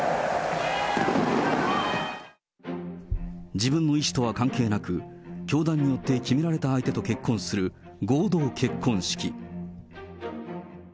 自分の意思とは関係なく、教団によって決められた相手と結婚する合同結婚式。